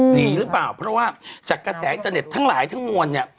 ดีหรือเปล่าเพราะว่าจากกระแสอินเตอร์เน็ตทั้งหลายทั้งมวลเนี่ย